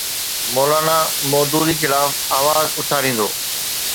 مو لانا مودودي خلاف آواز اٿاريندو.